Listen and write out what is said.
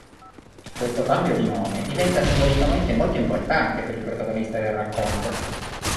Questo cambio di nome diventa simbolicamente molto importante per il protagonista del racconto.